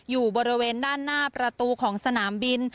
อยู่บริเวณด้านหน้าประตูของสนามบิน